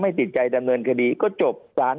ภารกิจสรรค์ภารกิจสรรค์